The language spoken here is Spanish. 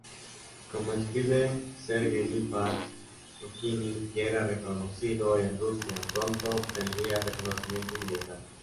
Como escribe Serge Lifar: "Fokine ya era reconocido en Rusia, pronto obtendría reconocimiento universal".